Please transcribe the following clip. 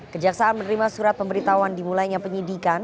kejaksaan menerima surat pemberitahuan dimulainya penyidikan